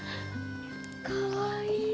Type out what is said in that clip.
かわいい！